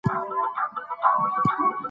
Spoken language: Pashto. ناروغي هم حکمت لري.